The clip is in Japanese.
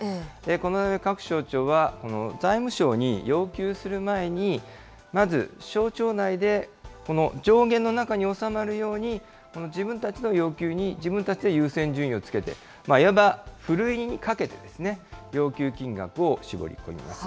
このため各省庁は財務省に要求する前に、まず省庁内で、この上限の中に収まるように、自分たちの要求に自分たちで優先順位をつけて、いわばふるいにかけて要求金額を絞り込みます。